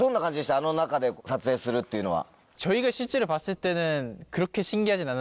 あの中で撮影するっていうのは。